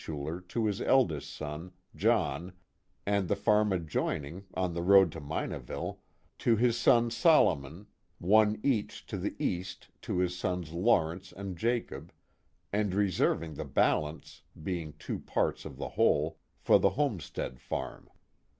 Schuler to his eldest son, John, and the farm adjoining, on the road to Minaville, to his son Solomon one each to the east to his sons Lawrence and Jacob, and reserving the balance, being two parts of the whole, for the homestead farm.